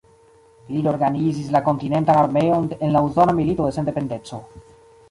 Li reorganizis la kontinentan armeon en la Usona Milito de Sendependeco.